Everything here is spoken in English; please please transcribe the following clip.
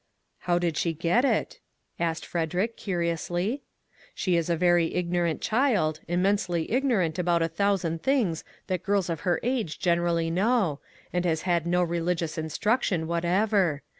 " How did she get it ?" asked Frederick, curiously. " She is a very ignorant child, im mensely ignorant about a thousand things that girls of her age generally know, and has had no religious instruction whatever.